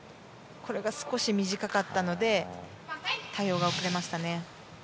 これが少し短かったので対応が遅れました。